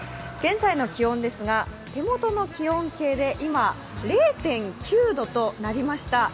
現在の気温は手元の気温計で今、０．９度となりました。